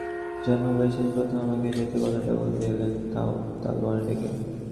জন্মবয়সে আজ প্রথম আমাকে যেচে কথাটা বলতে এলেন, তাও তালবনে ডেকে!